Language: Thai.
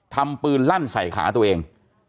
ทำปืนลั่นใส่ขาตัวเอง